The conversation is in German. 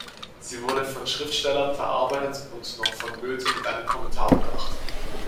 Sie wurde von Schriftstellern verarbeitet und noch von Goethe mit einem Kommentar bedacht.